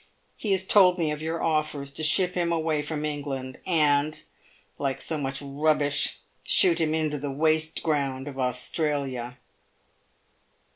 He has told me of your offers to ship him away from England, and, like so much rubbish, shoot him into the waste ground of Australia."